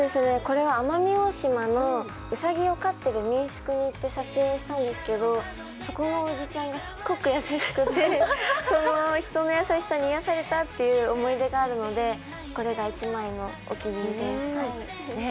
これは奄美大島のうさぎを飼ってる民宿に行って撮影したんですけどそこのおじちゃんがすっごく優しくて、その人の優しさに癒やされたという思い出があるのでこれが一番のお気に入りです。